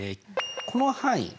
この範囲。